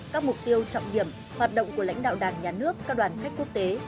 các mục tiêu trọng điểm hoạt động của lãnh đạo đảng nhà nước các đoàn khách quốc tế